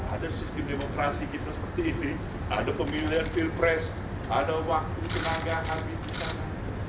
ada sistem demokrasi kita seperti itu ada pemilihan pilpres ada waktu tenaga habis di sana